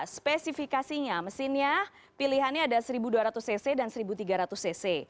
spesifikasinya mesinnya pilihannya ada seribu dua ratus cc dan seribu tiga ratus cc